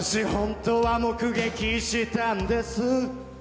本当は目撃したんです